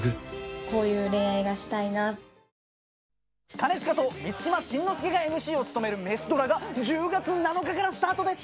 兼近と満島真之介がＭＣを務めるメシドラが１０月７日からスタートです。